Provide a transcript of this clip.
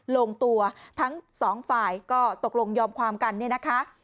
ลงตัวทั้งสองฝ่ายก็ตกลงยอมความกันเนี่ยนะคะ